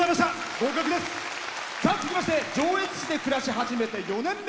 続きまして上越市で暮らし始めて４年目。